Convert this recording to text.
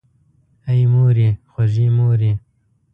آی مورې خوږې مورې!